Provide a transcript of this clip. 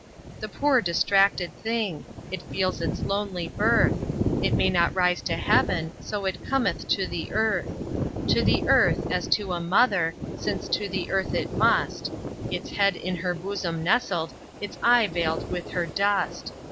The poor distracted thing! it feels its lonely birth; It may not rise to heaven, so it cometh to the earth; To the earth, as to a mother, since to the earth it must, Its head in her bosom nestled, its eye veiled with her dust.